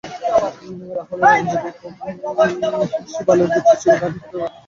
রাহুলের আইনজীবী কপিল সিবালের যুক্তি ছিল, গান্ধী হত্যার সঙ্গে আরএসএসের যোগসাজশের ঐতিহাসিকতা রয়েছে।